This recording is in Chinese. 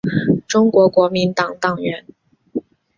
中国国民党党员。